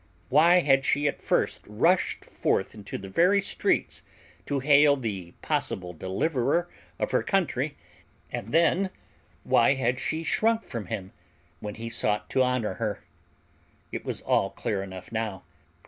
Why had she at first rushed forth into the very streets to hail the possible deliverer of her country, and then why had she shrunk from him when he sought to honor her! It was all clear enough now.